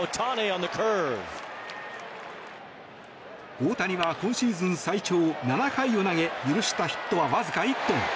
大谷は今シーズン最長７回を投げ許したヒットはわずか１本。